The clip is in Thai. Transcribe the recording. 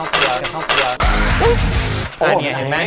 อ้าวเห็นมั้ยเห็นมั้ยเห็นมั้ย